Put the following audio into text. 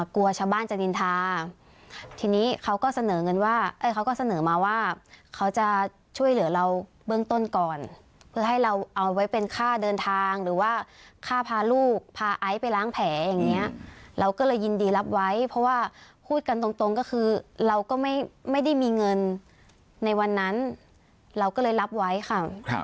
กลัวชาวบ้านจะนินทาทีนี้เขาก็เสนอเงินว่าเขาก็เสนอมาว่าเขาจะช่วยเหลือเราเบื้องต้นก่อนเพื่อให้เราเอาไว้เป็นค่าเดินทางหรือว่าค่าพาลูกพาไอซ์ไปล้างแผลอย่างนี้เราก็เลยยินดีรับไว้เพราะว่าพูดกันตรงก็คือเราก็ไม่ได้มีเงินในวันนั้นเราก็เลยรับไว้ค่ะ